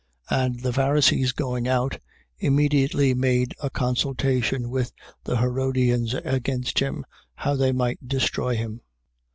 3:6. And the Pharisees going out, immediately made a consultation with the Herodians against him, how they might destroy him.